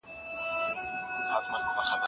د علم په لاره کي ډېرې ستونزي وي.